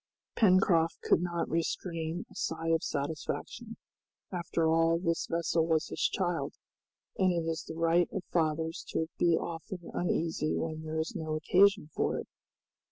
Pencroft could not restrain a sigh of satisfaction. After all this vessel was his child, and it is the right of fathers to be often uneasy when there is no occasion for it.